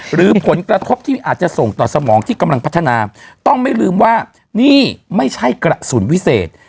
หรือผลกระทบที่อาจจะส่งต่อสมองที่กำลังพัฒนาต้องไม่ลืมว่านี่ไม่ใช่กระสุนวิเศษ